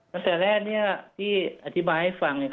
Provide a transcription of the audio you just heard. กระแสแรกที่อธิบายให้ฟัง